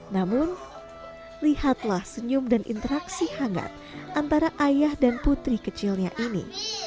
namun lihatlah senyum dan interaksi hangat antara ayah dan putri kecilnya ini